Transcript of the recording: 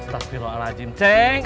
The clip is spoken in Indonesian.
tapi allah al azim ceng